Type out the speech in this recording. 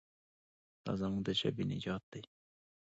دا زموږ د ژبې نجات دی.